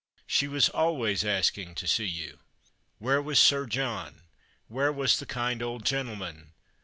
She was always asking to see you. Where was Sir John ? Where was the kind old gentleman